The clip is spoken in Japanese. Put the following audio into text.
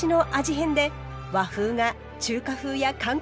変で和風が中華風や韓国風に！